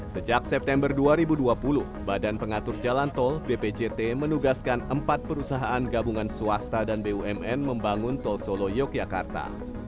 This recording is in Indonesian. sejak september dua ribu dua puluh badan pengatur jalan tol bpjt menugaskan empat perusahaan gabungan swasta dan bumn membangun tol solo yogyakarta